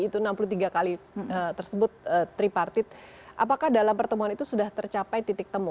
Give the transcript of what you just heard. itu enam puluh tiga kali tersebut tripartit apakah dalam pertemuan itu sudah tercapai titik temu